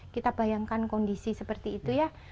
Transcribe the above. kita bayangkan kondisi seperti itu ya